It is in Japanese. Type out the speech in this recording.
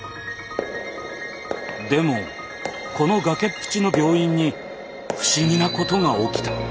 でもこの崖っぷちの病院に不思議なことが起きた。